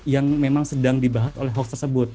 yang memang sedang dibahas oleh hoax tersebut